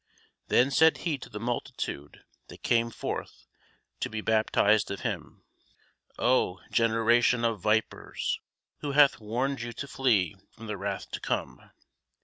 Then said he to the multitude that came forth to be baptized of him, O generation of vipers, who hath warned you to flee from the wrath to come?